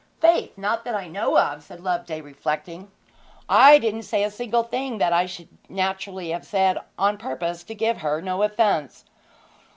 'Faith! not that I know of,' said Loveday, reflecting. 'I didn't say a single thing that I should naturally have said, on purpose to give no offence.'